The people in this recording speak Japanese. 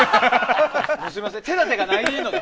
すみません、手立てがないので。